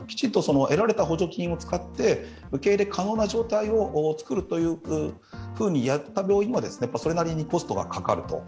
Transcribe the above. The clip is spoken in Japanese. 得られた補助金を使って受け入れ可能な状態を作るというふうにやった病院はそれなりにコストがかかる。